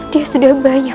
dia sudah banyak